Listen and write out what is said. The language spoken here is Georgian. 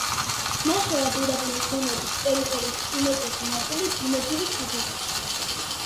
ნახევრად უდაბნოს ზონების ტერიტორიის უმეტესი ნაწილი ბუნებრივი საძოვრებია.